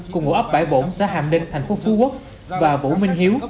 cùng ngũ ấp bãi bổn xã hàm ninh thành phố phú quốc và vũ minh hiếu